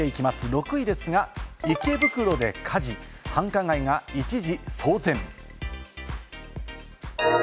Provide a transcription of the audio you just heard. ６位ですが、池袋で火事、繁華街が一時騒然。